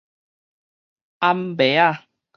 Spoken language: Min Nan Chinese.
泔糜仔